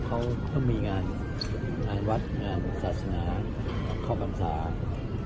เขามีงานวัดงานศาสนาข้อมันศาสน์